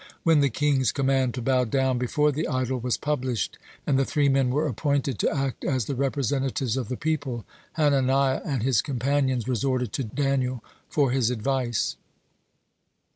When the king's command to bow down before the idol was published, and the three men were appointed to act as the representatives of the people, Hananiah and his companions resorted to Daniel for his advice.